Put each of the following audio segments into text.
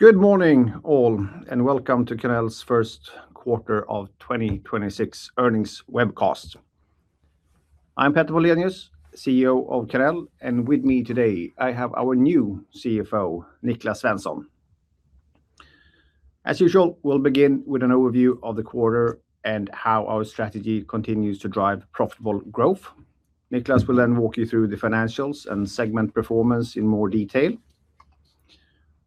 Good morning, all, and welcome to Karnell's first quarter of 2026 earnings webcast. I'm Petter Moldenius, CEO of Karnell, and with me today I have our new CFO, Niklas Svensson. As usual, we'll begin with an overview of the quarter and how our strategy continues to drive profitable growth. Niklas will walk you through the financials and segment performance in more detail.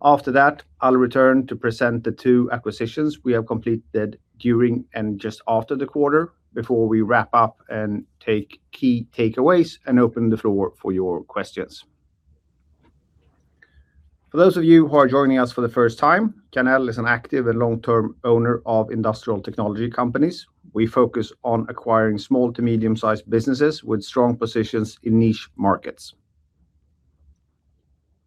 After that, I'll return to present the two acquisitions we have completed during and just after the quarter before we wrap up and take key takeaways and open the floor for your questions. For those of you who are joining us for the first time, Karnell is an active and long-term owner of industrial technology companies. We focus on acquiring small to medium-sized businesses with strong positions in niche markets.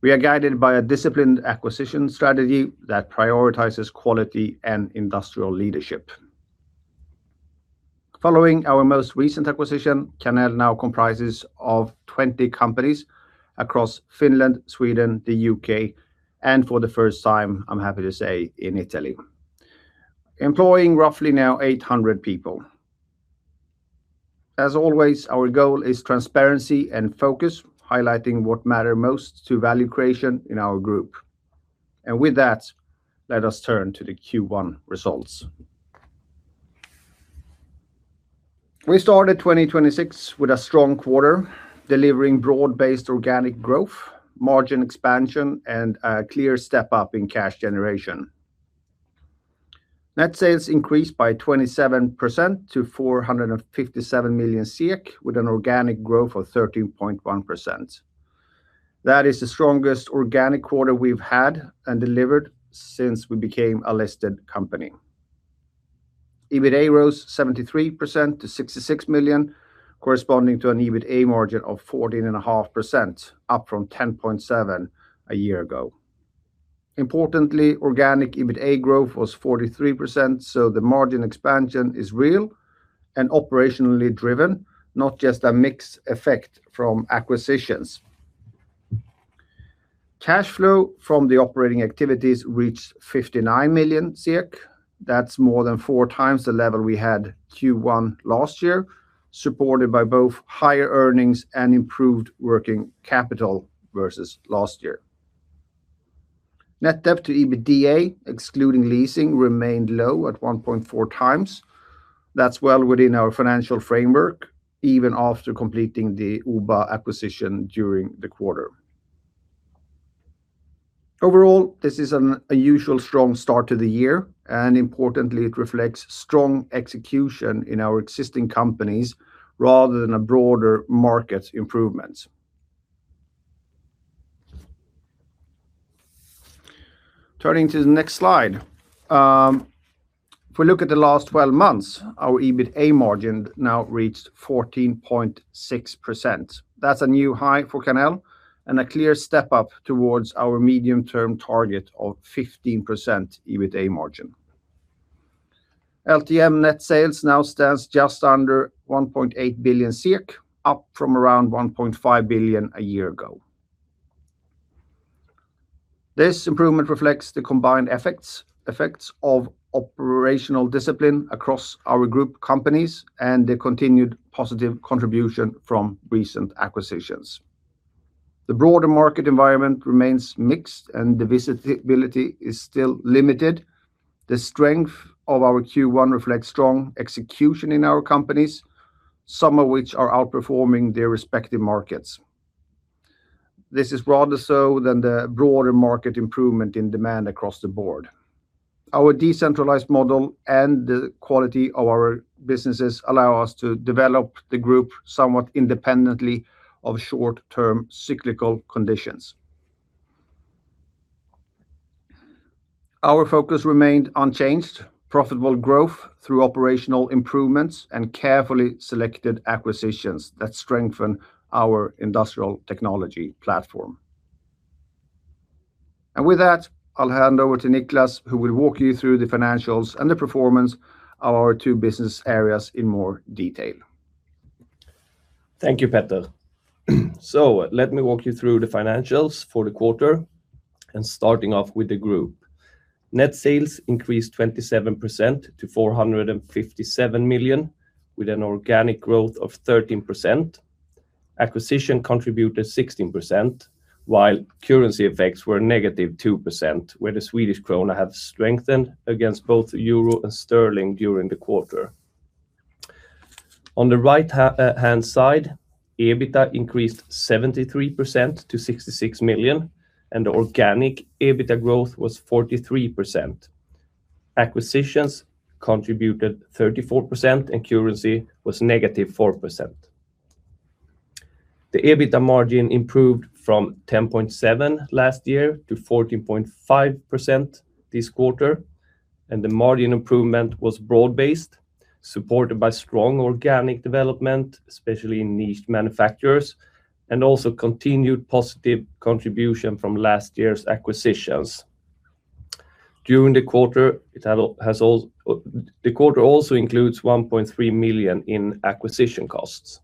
We are guided by a disciplined acquisition strategy that prioritizes quality and industrial leadership. Following our most recent acquisition, Karnell now comprises of 20 companies across Finland, Sweden, the U.K., and for the first time, I'm happy to say, in Italy, employing roughly now 800 people. As always, our goal is transparency and focus, highlighting what matter most to value creation in our group. With that, let us turn to the Q1 results. We started 2026 with a strong quarter, delivering broad-based organic growth, margin expansion, and a clear step up in cash generation. Net sales increased by 27% to 457 million, with an organic growth of 13.1%. That is the strongest organic quarter we've had and delivered since we became a listed company. EBITA rose 73% to 66 million, corresponding to an EBITA margin of 14.5%, up from 10.7% a year ago. Importantly, organic EBITA growth was 43%, the margin expansion is real and operationally driven, not just a mix effect from acquisitions. Cash flow from the operating activities reached 59 million. That's more than 4x the level we had Q1 last year, supported by both higher earnings and improved working capital versus last year. Net debt to EBITDA, excluding leasing, remained low at 1.4x. That's well within our financial framework, even after completing the OBA acquisition during the quarter. Overall, this is an unusual strong start to the year, importantly, it reflects strong execution in our existing companies rather than a broader market improvements. Turning to the next slide. If we look at the last twelve months, our EBITA margin now reached 14.6%. That's a new high for Karnell and a clear step up towards our medium-term target of 15% EBITA margin. LTM net sales now stands just under 1.8 billion, up from around 1.5 billion a year ago. This improvement reflects the combined effects of operational discipline across our group companies and the continued positive contribution from recent acquisitions. The broader market environment remains mixed and the visibility is still limited. The strength of our Q1 reflects strong execution in our companies, some of which are outperforming their respective markets. This is rather so than the broader market improvement in demand across the board. Our decentralized model and the quality of our businesses allow us to develop the group somewhat independently of short-term cyclical conditions. Our focus remained unchanged: profitable growth through operational improvements and carefully selected acquisitions that strengthen our industrial technology platform. With that, I'll hand over to Niklas, who will walk you through the financials and the performance of our two business areas in more detail. Thank you, Petter. Let me walk you through the financials for the quarter starting off with the group. Net sales increased 27% to 457 million, with an organic growth of 13%. Acquisition contributed 16%, while currency effects were -2%, where the Swedish krona had strengthened against both euro and sterling during the quarter. On the right-hand side, EBITA increased 73% to 66 million. Organic EBITA growth was 43%. Acquisitions contributed 34%. Currency was -4%. The EBITA margin improved from 10.7% last year to 14.5% this quarter. The margin improvement was broad-based, supported by strong organic development, especially in niche manufacturers, also continued positive contribution from last year's acquisitions. During the quarter, the quarter also includes 1.3 million in acquisition costs.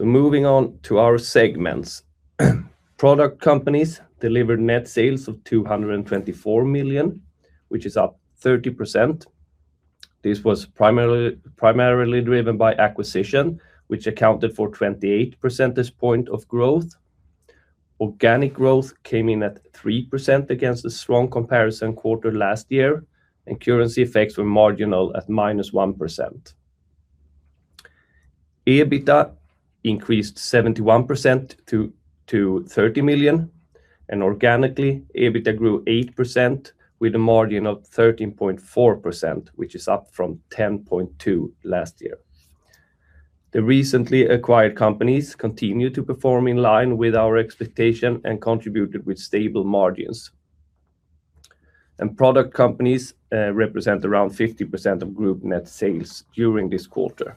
Moving on to our segments. Product companies delivered net sales of 224 million, which is up 30%. This was primarily driven by acquisition, which accounted for 28 percentage point of growth. Organic growth came in at 3% against a strong comparison quarter last year, currency effects were marginal at minus 1%. EBITA increased 71% to 30 million, organically, EBITA grew 8% with a margin of 13.4%, which is up from 10.2% last year. The recently acquired companies continue to perform in line with our expectation and contributed with stable margins. Product companies represent around 50% of group net sales during this quarter.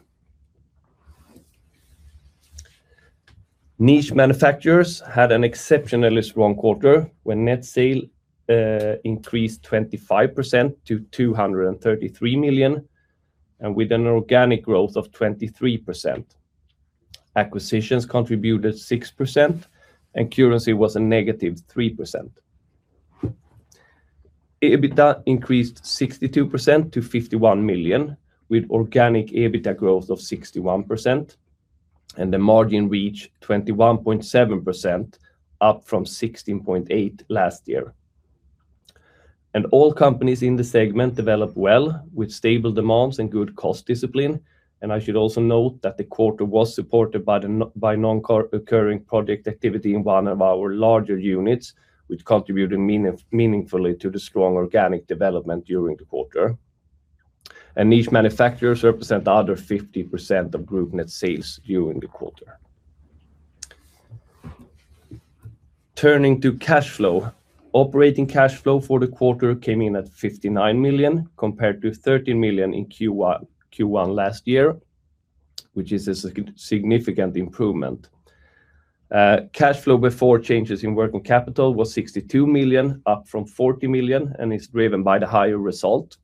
Niche manufacturers had an exceptionally strong quarter when net sales increased 25% to 233 million and with an organic growth of 23%. Acquisitions contributed 6%, and currency was a -3%. EBITA increased 62% to 51 million, with organic EBITA growth of 61%, and the margin reached 21.7%, up from 16.8 last year. All companies in the segment developed well with stable demands and good cost discipline. I should also note that the quarter was supported by non-recurring project activity in one of our larger units, which contributed meaningfully to the strong organic development during the quarter. Niche manufacturers represent the other 50% of group net sales during the quarter. Turning to cash flow. Operating cash flow for the quarter came in at 59 million compared to 30 million in Q1 last year, which is a significant improvement. Cash flow before changes in working capital was 62 million, up from 40 million, It's driven by the higher result.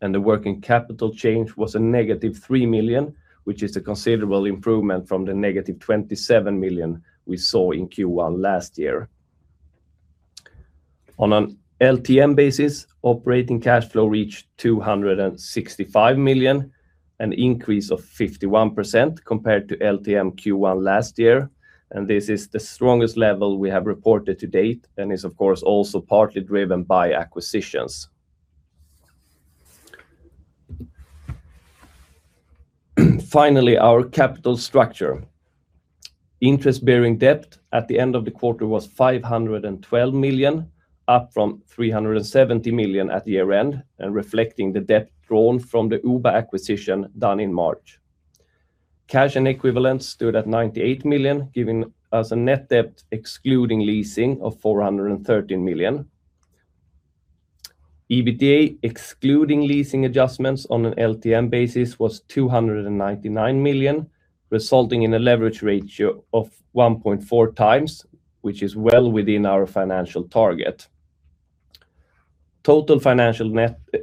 The working capital change was a -3 million, which is a considerable improvement from the -27 million we saw in Q1 last year. On an LTM basis, operating cash flow reached 265 million, an increase of 51% compared to LTM Q1 last year. This is the strongest level we have reported to date and is of course also partly driven by acquisitions. Finally, our capital structure. Interest-bearing debt at the end of the quarter was 512 million, up from 370 million at year-end, and reflecting the debt drawn from the OBA acquisition done in March. Cash and equivalents stood at 98 million, giving us a net debt excluding leasing of 413 million. EBITDA, excluding leasing adjustments on an LTM basis, was 299 million, resulting in a leverage ratio of 1.4x, which is well within our financial target. Total financial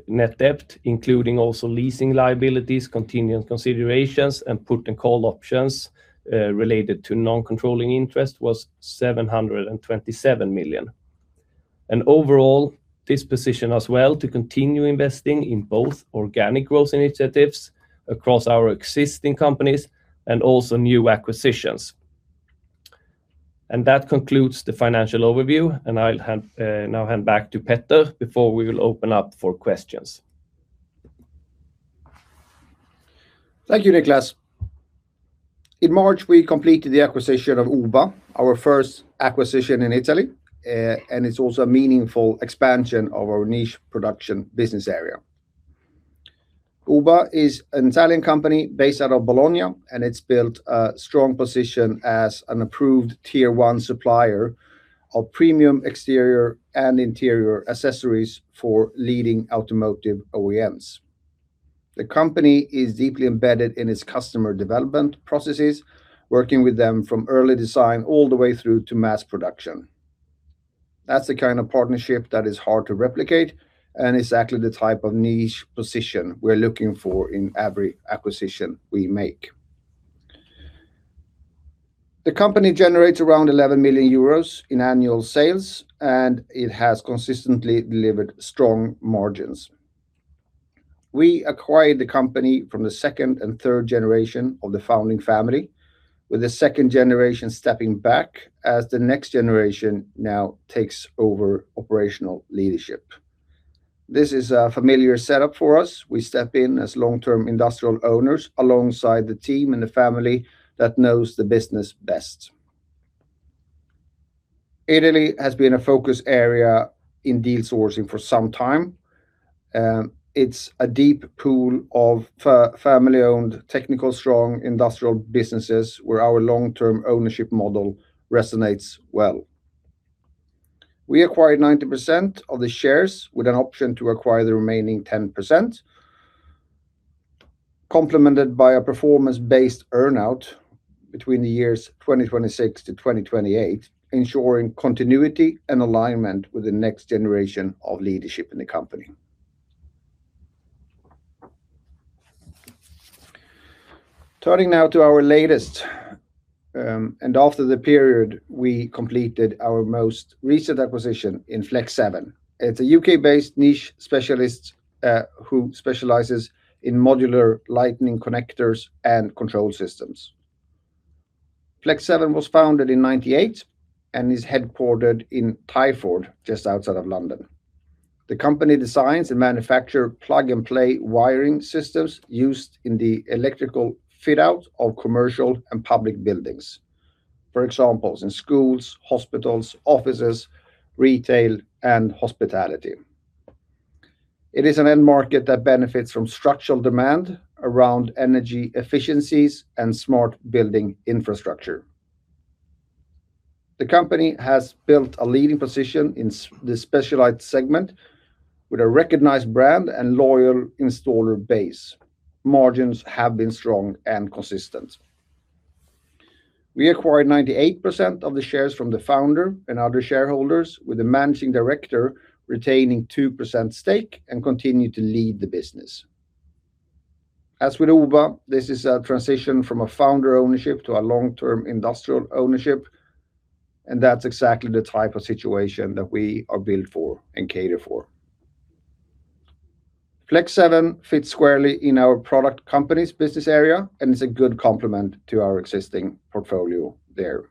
net debt, including also leasing liabilities, continuing considerations, and put and call options, related to non-controlling interest, was 727 million. Overall, this position as well to continue investing in both organic growth initiatives across our existing companies and also new acquisitions. That concludes the financial overview, and I'll now hand back to Petter before we will open up for questions. Thank you, Niklas. In March, we completed the acquisition of OBA, our first acquisition in Italy, and it's also a meaningful expansion of our niche production business area. OBA is an Italian company based out of Bologna, and it's built a strong position as an approved Tier 1 supplier of premium exterior and interior accessories for leading automotive OEMs. The company is deeply embedded in its customer development processes, working with them from early design all the way through to mass production. That's the kind of partnership that is hard to replicate and exactly the type of niche position we're looking for in every acquisition we make. The company generates around 11 million euros in annual sales, and it has consistently delivered strong margins. We acquired the company from the second and third generation of the founding family, with the second generation stepping back as the next generation now takes over operational leadership. This is a familiar setup for us. We step in as long-term industrial owners alongside the team and the family that knows the business best. Italy has been a focus area in deal sourcing for some time. It's a deep pool of family-owned, technically strong industrial businesses where our long-term ownership model resonates well. We acquired 90% of the shares with an option to acquire the remaining 10%, complemented by a performance-based earn-out between the years 2026-2028, ensuring continuity and alignment with the next generation of leadership in the company. Turning now to our latest, and after the period we completed our most recent acquisition in flex7. It's a U.K.-based niche specialist who specializes in modular lighting connectors and control systems. flex7 was founded in 1998 and is headquartered in Twyford, just outside of London. The company designs and manufacture plug-and-play wiring systems used in the electrical fit-out of commercial and public buildings. For examples, in schools, hospitals, offices, retail, and hospitality. It is an end market that benefits from structural demand around energy efficiencies and smart building infrastructure. The company has built a leading position in this specialized segment with a recognized brand and loyal installer base. Margins have been strong and consistent. We acquired 98% of the shares from the founder and other shareholders, with the managing director retaining 2% stake and continue to lead the business. As with OBA, this is a transition from a founder ownership to a long-term industrial ownership, that's exactly the type of situation that we are built for and cater for. flex7 fits squarely in our product company's business area and is a good complement to our existing portfolio there.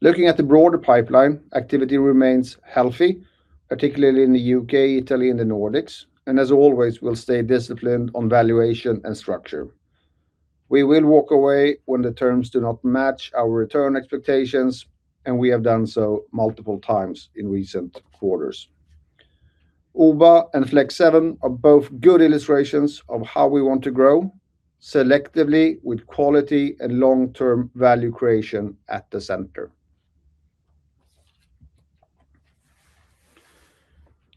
Looking at the broader pipeline, activity remains healthy, particularly in the U.K., Italy, and the Nordics, as always, we'll stay disciplined on valuation and structure. We will walk away when the terms do not match our return expectations, we have done so multiple times in recent quarters. OBA and flex7 are both good illustrations of how we want to grow selectively with quality and long-term value creation at the center.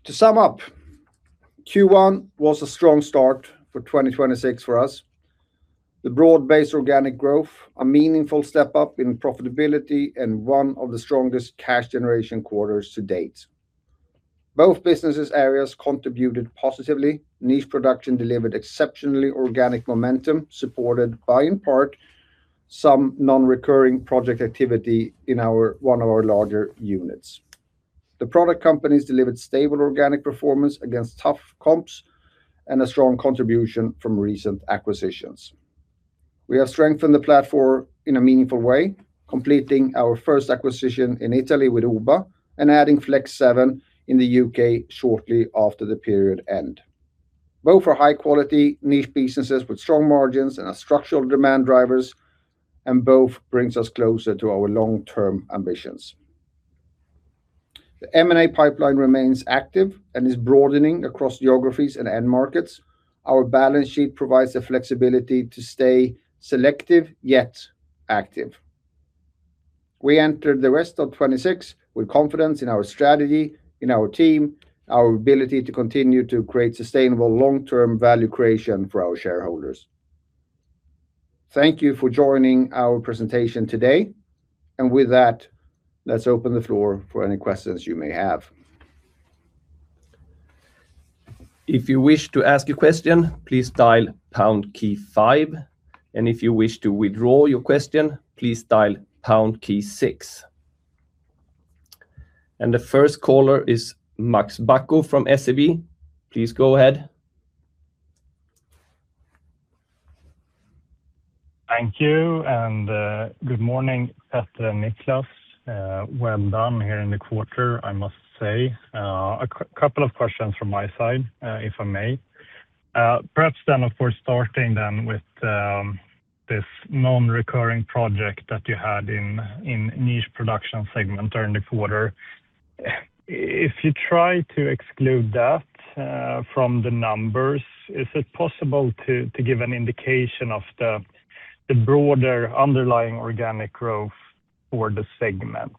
To sum up, Q1 was a strong start for 2026 for us. The broad-based organic growth, a meaningful step up in profitability, and one of the strongest cash generation quarters to date. Both businesses areas contributed positively. Niche production delivered exceptionally organic momentum, supported by, in part, some non-recurring project activity in our, one of our larger units. The product companies delivered stable organic performance against tough comps and a strong contribution from recent acquisitions. We have strengthened the platform in a meaningful way, completing our first acquisition in Italy with OBA and adding flex7 in the U.K. shortly after the period end. Both are high-quality niche businesses with strong margins and structural demand drivers. Both brings us closer to our long-term ambitions. The M&A pipeline remains active and is broadening across geographies and end markets. Our balance sheet provides the flexibility to stay selective yet active. We enter the rest of 2026 with confidence in our strategy, in our team, our ability to continue to create sustainable long-term value creation for our shareholders. Thank you for joining our presentation today. With that, let's open the floor for any questions you may have. The first caller is Max Bacco from SEB. Please go ahead. Thank you. Good morning, Petter and Niklas. Well done here in the quarter, I must say. A couple of questions from my side, if I may. Perhaps then, of course, starting then with this non-recurring project that you had in niche production segment during the quarter. If you try to exclude that from the numbers, is it possible to give an indication of the broader underlying organic growth for the segment?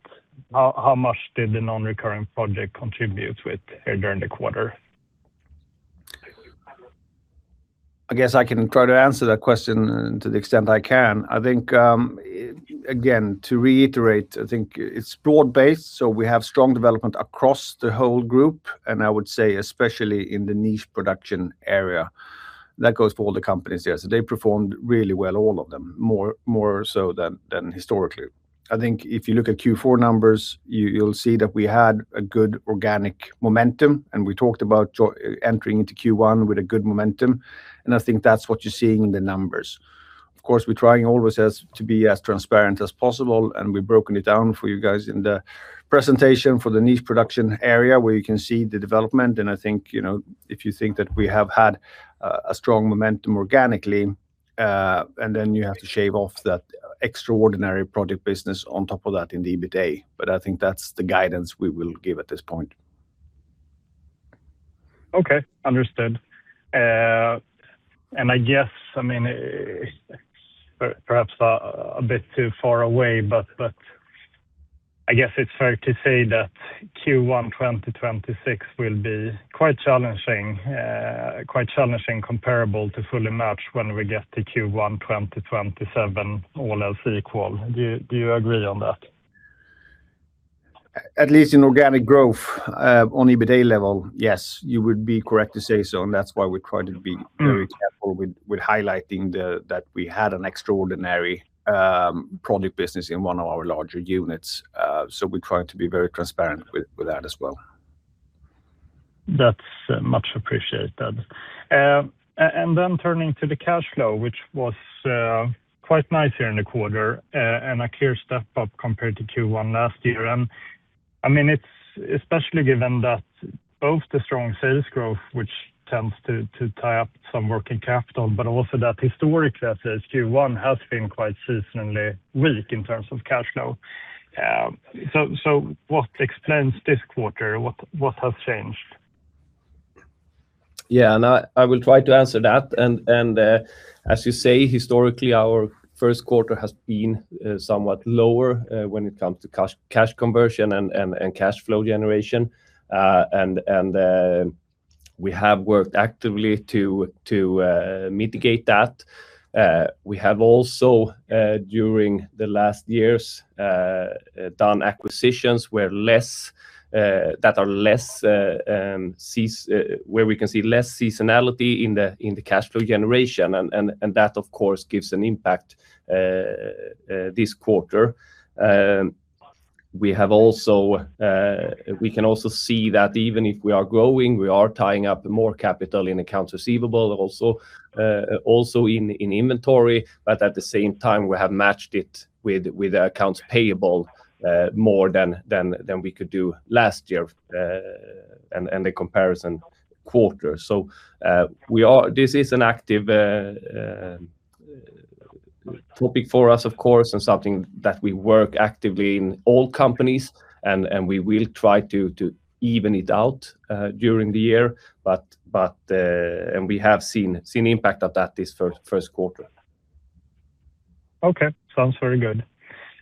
How much did the non-recurring project contribute with during the quarter? I guess I can try to answer that question to the extent I can. I think, again, to reiterate, I think it's broad-based. We have strong development across the whole group, and I would say especially in the niche production area. That goes for all the companies there. They performed really well, all of them, more so than historically. I think if you look at Q4 numbers, you'll see that we had a good organic momentum. We talked about entering into Q1 with a good momentum, and I think that's what you're seeing in the numbers. Of course, we're trying always to be as transparent as possible. We've broken it down for you guys in the presentation for the niche production area, where you can see the development. I think, you know, if you think that we have had a strong momentum organically, then you have to shave off that extraordinary project business on top of that in the EBITDA. I think that's the guidance we will give at this point. Okay. Understood. I guess, I mean, perhaps a bit too far away, but I guess it's fair to say that Q1 2026 will be quite challenging, quite challenging comparable to fully match when we get to Q1 2027, all else equal. Do you agree on that? At least in organic growth, on EBITDA level, yes, you would be correct to say so, and that's why we tried to be very careful with highlighting the, that we had an extraordinary product business in one of our larger units. We tried to be very transparent with that as well. That's much appreciated. Turning to the cash flow, which was quite nice here in the quarter, and a clear step up compared to Q1 last year. I mean, it's especially given that both the strong sales growth, which tends to tie up some working capital, but also that historically Q1 has been quite seasonally weak in terms of cash flow. What explains this quarter? What has changed? Yeah. I will try to answer that. As you say, historically, our first quarter has been somewhat lower when it comes to cash conversion and cash flow generation. We have worked actively to mitigate that. We have also during the last years done acquisitions that are less where we can see less seasonality in the cash flow generation. That, of course, gives an impact this quarter. We have also, we can also see that even if we are growing, we are tying up more capital in accounts receivable also in inventory. At the same time, we have matched it with accounts payable, more than we could do last year, and the comparison quarter. This is an active topic for us, of course, and something that we work actively in all companies and we will try to even it out during the year. We have seen the impact of that this first quarter. Okay. Sounds very good.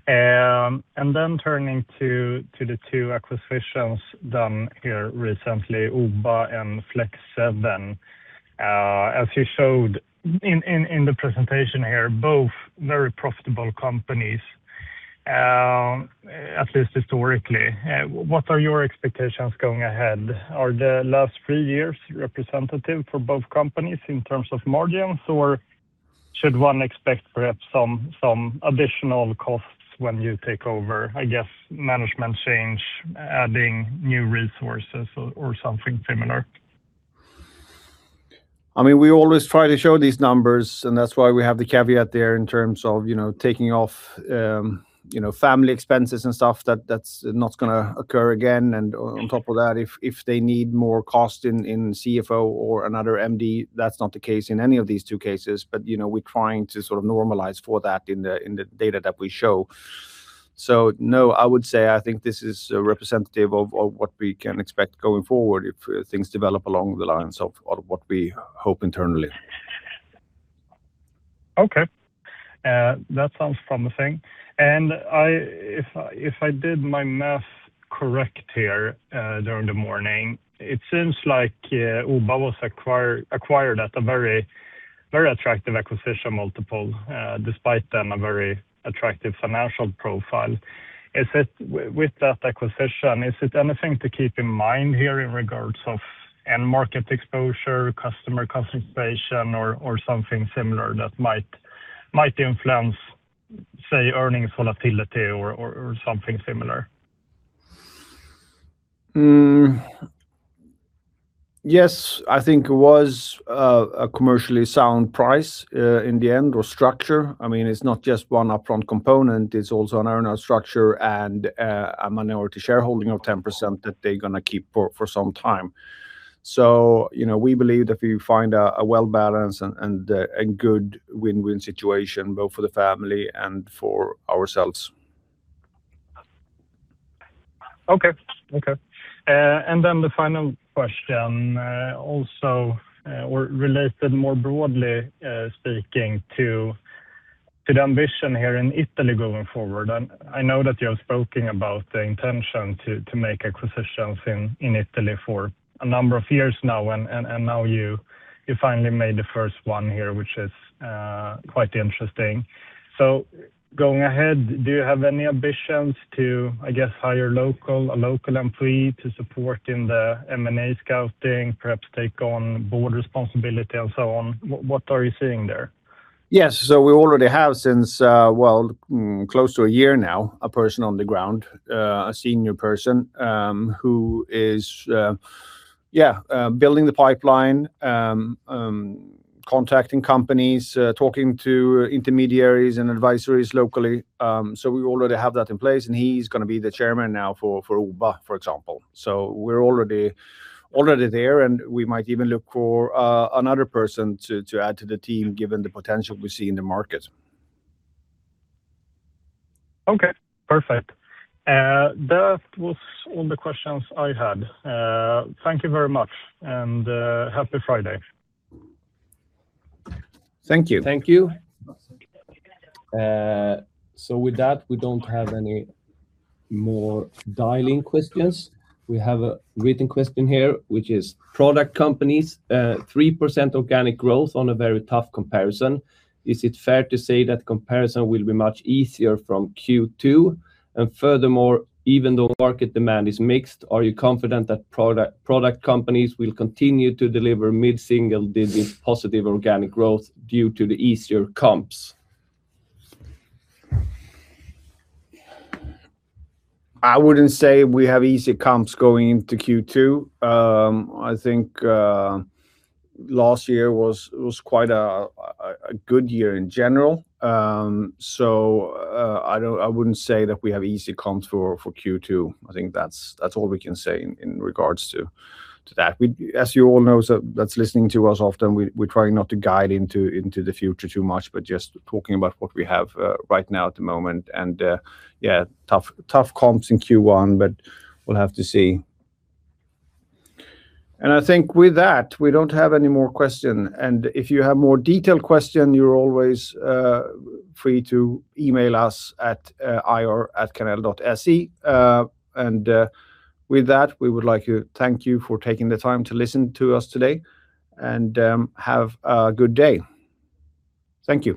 Then turning to the two acquisitions done here recently, OBA and flex7. As you showed in the presentation here, both very profitable companies, at least historically. What are your expectations going ahead? Are the last three years representative for both companies in terms of margins, or should one expect perhaps some additional costs when you take over, I guess, management change, adding new resources or something similar? I mean, we always try to show these numbers. That's why we have the caveat there in terms of, you know, taking off, you know, family expenses and stuff that's not gonna occur again. On top of that, if they need more cost in CFO or another MD, that's not the case in any of these two cases. You know, we're trying to sort of normalize for that in the data that we show. No, I would say I think this is representative of what we can expect going forward if things develop along the lines of what we hope internally. Okay. That sounds promising. If I did my math correct here, during the morning, it seems like OBA was acquired at a very attractive acquisition multiple, despite then a very attractive financial profile. With that acquisition, is it anything to keep in mind here in regards of end market exposure, customer concentration or something similar that might influence, say, earnings volatility or something similar? Yes, I think it was a commercially sound price in the end or structure. I mean, it's not just one upfront component, it's also an earnout structure and a minority shareholding of 10% that they're gonna keep for some time. You know, we believe that we find a well-balanced and a good win-win situation both for the family and for ourselves. Okay. Okay. The final question, also, or related more broadly, speaking to the ambition here in Italy going forward. I know that you have spoken about the intention to make acquisitions in Italy for a number of years now, and now you finally made the first one here, which is quite interesting. Going ahead, do you have any ambitions to, I guess, hire local, a local employee to support in the M&A scouting, perhaps take on board responsibility and so on? What are you seeing there? Yes. We already have since close to one year now, a person on the ground, a senior person, who is building the pipeline, contacting companies, talking to intermediaries and advisories locally. We already have that in place, and he's gonna be the chairman now for OBA, for example. We're already there, and we might even look for another person to add to the team given the potential we see in the market. Okay, perfect. That was all the questions I had. Thank you very much, and happy Friday. Thank you. Thank you. With that, we don't have any more dial-in questions. We have a written question here, which is product companies, 3% organic growth on a very tough comparison. Is it fair to say that comparison will be much easier from Q2? Furthermore, even though market demand is mixed, are you confident that product companies will continue to deliver mid-single digit positive organic growth due to the easier comps? I wouldn't say we have easy comps going into Q2. I think last year was quite a good year in general. I wouldn't say that we have easy comps for Q2. I think that's all we can say in regards to that. As you all know, that's listening to us often, we're trying not to guide into the future too much, but just talking about what we have right now at the moment. Tough comps in Q1, we'll have to see. I think with that, we don't have any more question. If you have more detailed question, you're always free to email us at ir@karnell.se. With that, we would like to thank you for taking the time to listen to us today, and, have a good day. Thank you